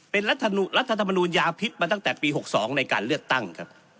เป็นรัฐธรรมนูญยาพิษมาตั้งแต่ปี๖๒ในการเลือกตั้งครับ